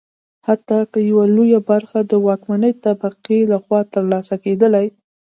حتی که یوه لویه برخه د واکمنې طبقې لخوا ترلاسه کېدلی.